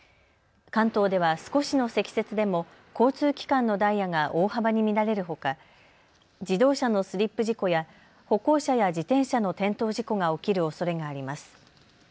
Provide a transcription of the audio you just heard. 関東では少しの積雪でも交通機関のダイヤが大幅に乱れるほか自動車のスリップ事故や歩行者や自転車の転倒事故が起きるおそれがあります。